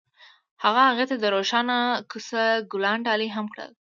هغه هغې ته د روښانه کوڅه ګلان ډالۍ هم کړل.